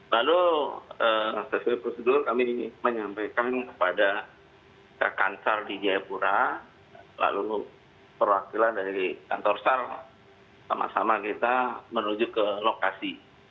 lalu sesuai prosedur kami menyampaikan kepada kakansar di jayapura lalu perwakilan dari kantor sar sama sama kita menuju ke lokasi